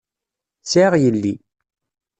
Sɛiɣ yelli.